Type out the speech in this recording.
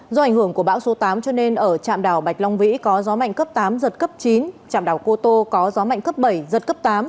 do ảnh hưởng của bão số tám cho nên ở trạm đảo bạch long vĩ có gió mạnh cấp tám giật cấp chín trạm đảo cô tô có gió mạnh cấp bảy giật cấp tám